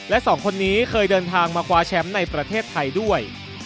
และสองคนนี้เคยเดินทางมาคว้าแชมป์ในประเทศไทยด้วย